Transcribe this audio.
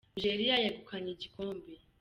Nigeria yegukanye igikombe